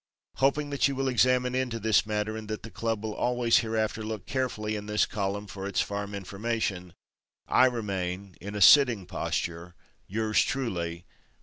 Hoping that you will examine into this matter, and that the club will always hereafter look carefully in this column for its farm information, I remain, in a sitting posture, yours truly.